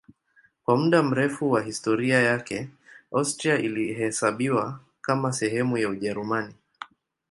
Kwa muda mrefu wa historia yake Austria ilihesabiwa kama sehemu ya Ujerumani.